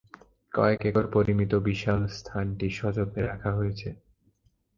কয়েক একর পরিমিত বিশাল স্থানটি সযত্নে রাখা হয়েছে।